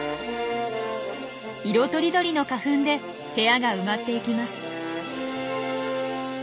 色とりどりの花粉で部屋が埋まっていきます。